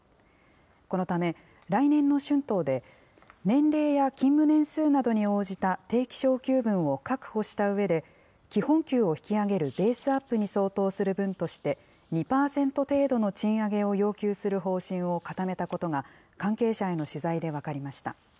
このため、来年の春闘で、年齢や勤務年数などに応じた定期昇給分を確保したうえで、基本給を引き上げるベースアップに相当する分として、２％程度の賃上げを要求する方針を固めたことが、関係者への取材で分かりました。